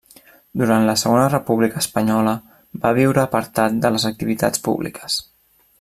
Durant la Segona República Espanyola va viure apartat de les activitats públiques.